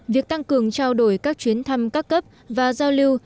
việc tăng cường trao đổi các chuyến thăm các cấp và giao lưu